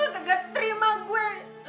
gagak terima gue